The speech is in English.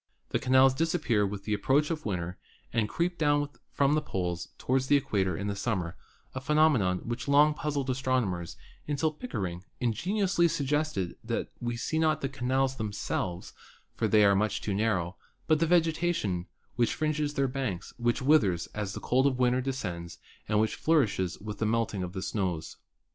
The canals disappear with the approach of winter and creep down from the poles toward the equa tor in summer, a phenomenon which long puzzled astrono mers until Pickering ingeniously suggested that we see not the canals themselves (for they are much too narrow), but the vegetation which fringes their banks, which with ers as the cold of winter descends and which flourishes with the melting of the snows.